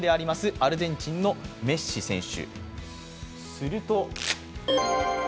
アルゼンチンのメッシ選手。